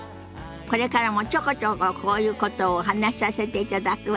これからもちょこちょここういうことをお話しさせていただくわね。